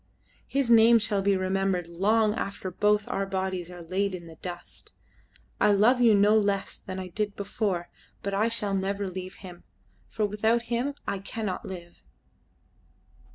His name shall be remembered long after both our bodies are laid in the dust. I love you no less than I did before, but I shall never leave him, for without him I cannot live."